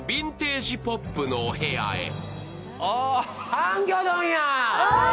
ハンギョドンや！